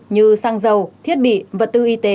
như xăng dầu thiết bị vật tư y tế